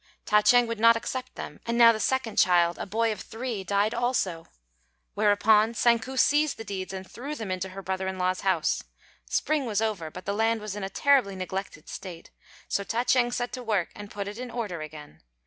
Ta ch'êng would not accept them; and now the second child, a boy of three, died also; whereupon Tsang ku seized the deeds, and threw them into her brother in law's house. Spring was over, but the land was in a terribly neglected state; so Ta ch'êng set to work and put it in order again.